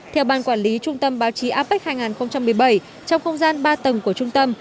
theo ban quản lý trung tâm báo chí apec hai nghìn một mươi bảy trong không gian ba tầng của trung tâm